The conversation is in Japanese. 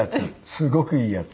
すごくいいヤツ。